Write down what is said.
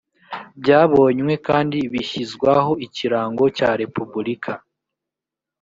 byabonywe kandi bishyizwaho ikirango cya repubulika.